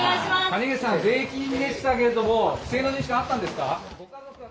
谷口さん、税金でしたけれども、不正の認識はあったんですか？